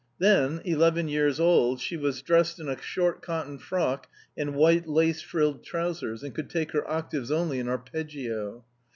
Then eleven years old, she was dressed in a short cotton frock and white lace frilled trousers, and could take her octaves only in arpeggio.